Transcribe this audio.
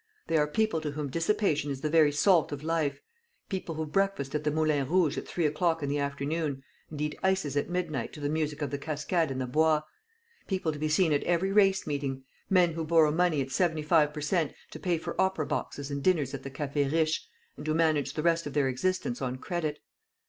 They are people to whom dissipation is the very salt of life; people who breakfast at the Moulin Rouge at three o'clock in the afternoon, and eat ices at midnight to the music of the cascade in the Bois; people to be seen at every race meeting; men who borrow money at seventy five per cent to pay for opera boxes and dinners at the Café Riche, and who manage the rest of their existence on credit."